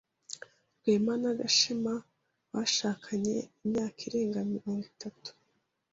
Rwema na Gashema bashakanye imyaka irenga mirongo itatu.